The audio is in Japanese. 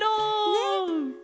ねっ！